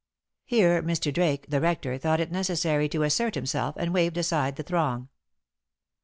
Here Mr. Drake, the rector, thought it necessary to assert himself, and waved aside the throng.